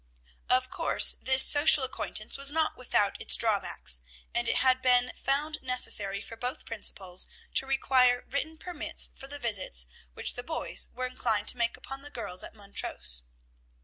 Of course this social acquaintance was not without its drawbacks, and it had been found necessary for both principals to require written permits for the visits which the boys were inclined to make upon the girls at Montrose.